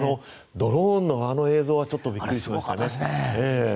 ドローンのあの映像はびっくりしましたね。